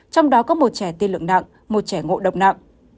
trong đó có một trẻ tiên lượng nặng một trẻ ngộ độc nặng